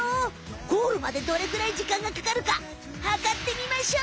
ゴールまでどれぐらいじかんがかかるかはかってみましょう！